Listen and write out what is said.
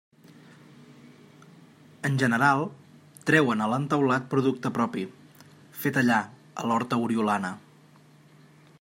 En general, trauen a l'entaulat producte propi, fet allà a l'horta oriolana.